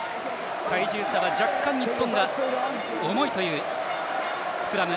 体重差は若干日本が重いというスクラム。